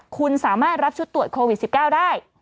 คุณสามารถรับชุดตรวจโควิด๑๙ได้